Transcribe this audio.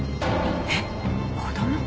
えっ子供？